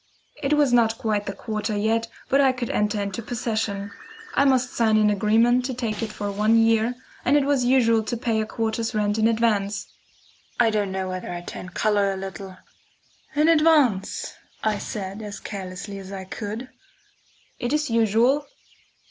It was not quite the quarter yet, but I could enter into possession. I must sign an agreement to take it for one year, and it was usual to pay a quarter's rent in advance. I don't know whether I turned colour a little. "In advance!" I said, as carelessly as I could. "It is usual."